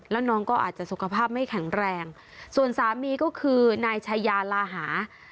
แล้วน้องก็อาจจะสุขภาพไม่แข็งแรงส่วนสามีก็คือนายชายาลาหา